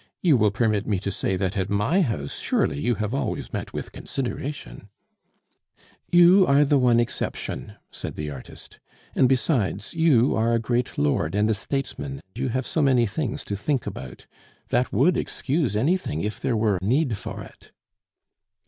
You will permit me to say that at my house surely you have always met with consideration " "You are the one exception," said the artist. "And besides, you are a great lord and a statesman, you have so many things to think about. That would excuse anything, if there were need for it."